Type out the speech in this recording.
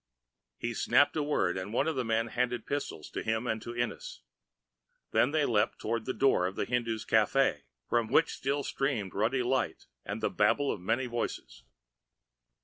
He snapped a word and one of the men handed pistols to him and to Ennis. Then they leaped toward the door of the Hindoo's café, from which still streamed ruddy light and the babel of many voices.